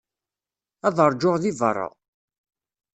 Ad ṛjuɣ deg beṛṛa.